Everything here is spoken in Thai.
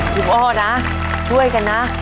ถูกอ้อนะช่วยกันนะ